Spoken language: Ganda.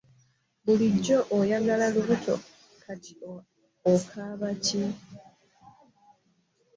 Bulijjo oyagala lubuto kati ate okaaba ki?